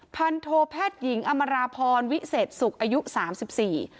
พันธูแพทยิงอำาราพรวิเศษศุกร์อายุสามสิบสี่